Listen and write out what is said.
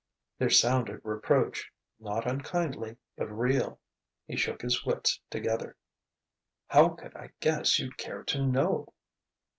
There sounded reproach, not unkindly, but real. He shook his wits together. "How could I guess you'd care to know?"